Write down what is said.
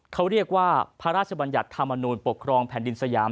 เขาเรียกว่าพระราชบัญญัติธรรมนูลปกครองแผ่นดินสยาม